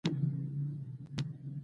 ماشوم له نیکه څخه مشوره وغوښته